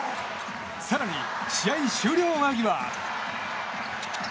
更に試合終了間際。